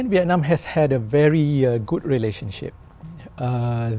việt nam và malaysia đã có một liên hệ rất tốt